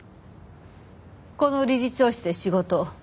この理事長室で仕事を。